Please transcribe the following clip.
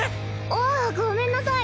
ああごめんなさい。